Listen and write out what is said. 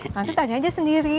nanti tanya aja sendiri